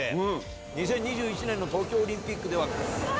２０２１年の東京オリンピックでは。